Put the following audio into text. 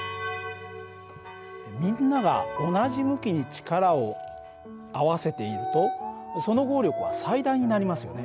みんなが同じ向きに力を合わせているとその合力は最大になりますよね。